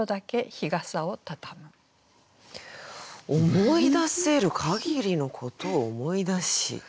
「思い出せるかぎりのことを思い出し」。